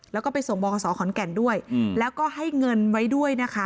แล้วก็ไปส่งบขขอนแก่นด้วยแล้วก็ให้เงินไว้ด้วยนะคะ